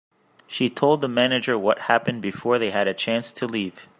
She told the manager what happened before they had a chance to leave.